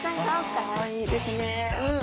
ああいいですね。